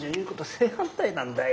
正反対なんだよ。